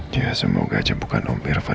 dia semoga aja bukan om irfan